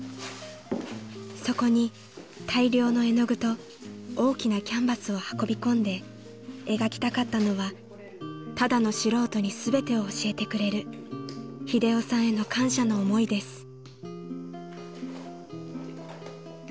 ［そこに大量の絵の具と大きなキャンバスを運び込んで描きたかったのはただの素人に全てを教えてくれる英雄さんへの感謝の思いです］